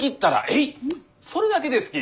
それだけですき。